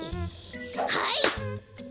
はい！